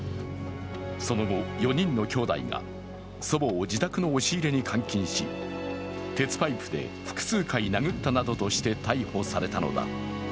その後、４人のきょうだいが祖母を自宅の押し入れに監禁し鉄パイプで複数回殴ったなどとして逮捕されたのだ。